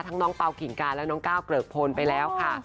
น้องเปล่าขิงกาและน้องก้าวเกริกพลไปแล้วค่ะ